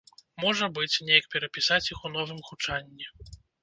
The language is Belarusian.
Можа быць, неяк перапісаць іх у новым гучанні.